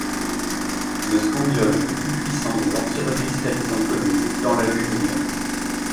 Le scandium est le plus puissant des antirecristallisants connus, dans l'aluminium.